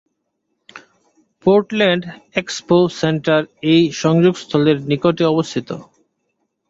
Portland expo centre এই সংযোগস্থলের নিকটে অবস্থিত।